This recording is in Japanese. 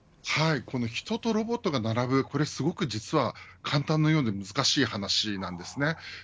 この、人とロボットが並ぶすごく実は簡単なようで難しい話です。